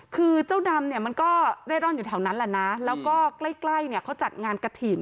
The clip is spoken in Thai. คือเจ้าดำเนี่ยมันก็เร่ร่อนอยู่แถวนั้นแหละนะแล้วก็ใกล้ใกล้เนี่ยเขาจัดงานกระถิ่น